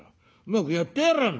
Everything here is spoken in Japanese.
うまくやってやらぁ